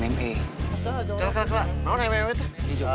mau nggak mma tuh